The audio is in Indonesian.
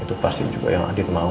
itu pasti juga yang adit mau